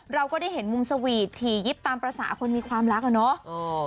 เราก็ได้เห็นมุมสวีทถี่ยิบตามภาษาคนมีความรักอะเนาะ